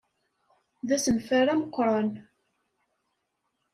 D asenfar amuqran.